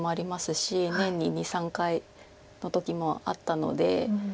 し年に２３回の時もあったので。